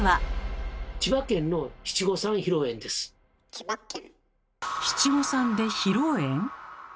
千葉県。